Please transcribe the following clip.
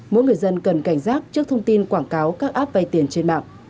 mỗi người dân cần cảnh giác trước thông tin quảng cáo các app vay tiền trên mạng